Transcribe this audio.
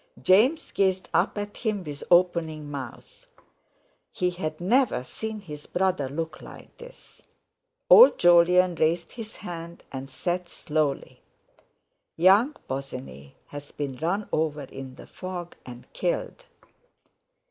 James gazed up at him with opening mouth; he had never seen his brother look like this. Old Jolyon raised his hand, and said slowly: "Young Bosinney has been run over in the fog and killed."